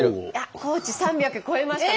高知３００超えましたね。